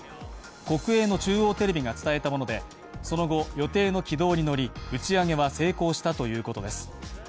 国営の中央テレビが伝えたもので、その後、予定の軌道に乗り、打ち上げは成功したということです。